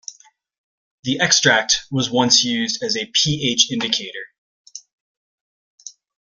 The extract was once used as a pH indicator.